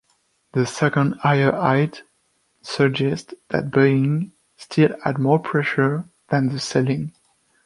The second higher high suggests that buying still had more pressure than the selling.